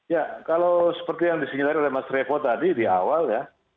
ya kalau seperti yang disingkirkan oleh mas revo tadi di awal ya